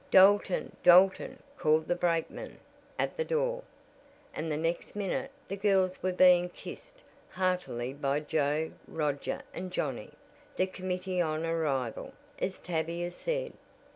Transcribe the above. "Dalton! Dalton!" called the brakeman at the door, and the next minute the girls were being kissed heartily by Joe, Roger and Johnnie, "the committee on arrival," as Tavia said.